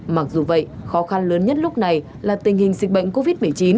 mặc dù vậy khó khăn lớn nhất lúc này là tình hình dịch bệnh covid một mươi chín